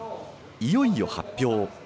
いよいよ発表。